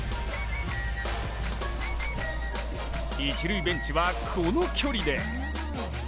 一塁ベンチは、この距離で。